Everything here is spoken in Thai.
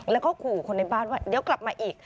แล้วก็ขู่คนในบ้านว่าเดี๋ยวกลับมาอีก